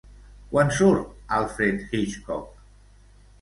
Quan surt Alfred Hitchcock?